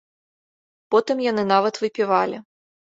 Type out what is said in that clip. Потым яны нават выпівалі.